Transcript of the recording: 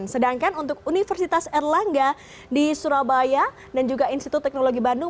sedangkan untuk universitas erlangga di surabaya dan juga institut teknologi bandung